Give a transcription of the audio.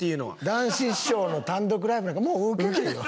談志師匠の単独ライブなんかもう受けないよ。